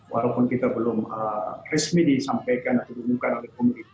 walaupun kita belum resmi disampaikan atau diumumkan oleh pemerintah